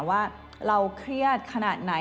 ว่าเราเครียดขนาดไหน